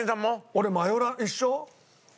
俺マヨラー一緒？